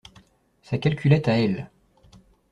Sa calculette à elle.